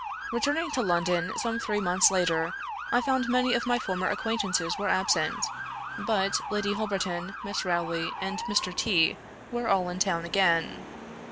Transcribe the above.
Returning to London, some three months later, I found many of my former acquaintances were absent; but Lady Holberton, Miss Rowley, and Mr. T were all in town again.